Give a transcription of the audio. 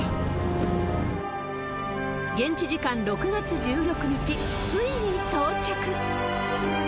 現地時間６月１６日、ついに到着。